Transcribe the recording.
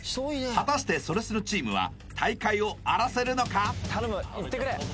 果たしてそれスノチームは大会を荒らせるのか？